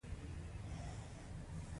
یا د ټولنې د یوې ډلې غړی دی.